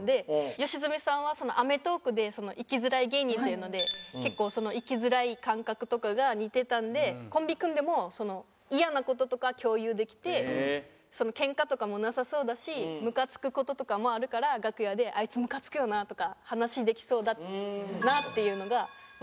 吉住さんは『アメトーーク』で「生きづらい芸人」っていうので結構生きづらい感覚とかが似てたのでコンビ組んでも嫌な事とか共有できてケンカとかもなさそうだしムカつく事とかもあるから楽屋で「あいつムカつくよな」とか話できそうだなっていうのがまずありまして。